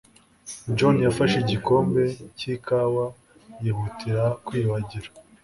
John yafashe igikombe cy'ikawa yihutira kwiyuhagira.